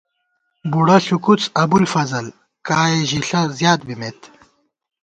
بُوڑہ ݪُوکُوڅ ابُوالفضل ، کائے ژِݪہ زیات بِمېت